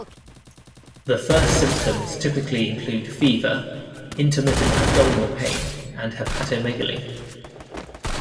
The first symptoms typically include fever, intermittent abdominal pain, and hepatomegaly.